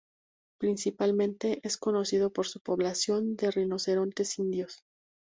Principalmente es conocido por su población de rinocerontes indios.